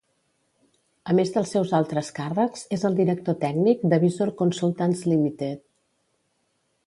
A més dels seus altres càrrecs, és el director tècnic de Visor Consultants Limited.